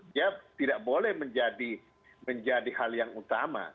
dia tidak boleh menjadi hal yang utama